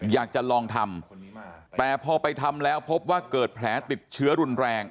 อยากจะลองทำแต่พอไปทำแล้วพบว่าเกิดแผลติดเชื้อรุนแรง